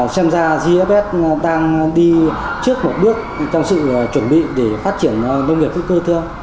xem ra gfs đang đi trước một bước trong sự chuẩn bị để phát triển nông nghiệp hữu cơ thưa ông